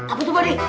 apa tuh bade